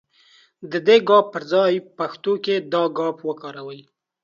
د دې ګ پر ځای پښتو کې دا گ وکاروئ.